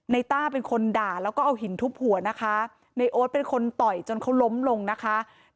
ต้าเป็นคนด่าแล้วก็เอาหินทุบหัวนะคะในโอ๊ตเป็นคนต่อยจนเขาล้มลงนะคะ